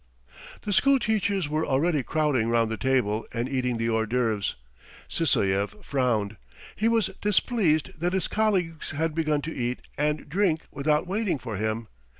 The school teachers were already crowding round the table and eating the hors d'oeuvres. Sysoev frowned; he was displeased that his colleagues had begun to eat and drink without waiting for him.